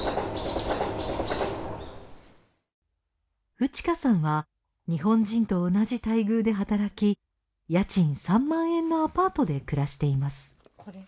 ウチカさんは日本人と同じ待遇で働き家賃３万円のアパートで暮らしています。